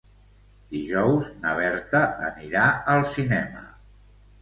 Dijous na Berta anirà al cinema.